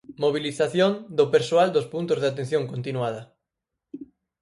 Mobilización do persoal dos Puntos de Atención Continuada.